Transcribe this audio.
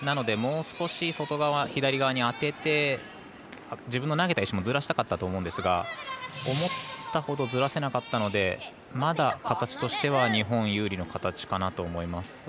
なので、もう少し外側左側に当てて自分の投げた石もずらしたかったと思いますが思ったほどずらせなかったのでまだ形としては日本有利の形かなと思います。